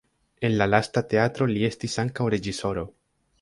En la lasta teatro li estis ankaŭ reĝisoro.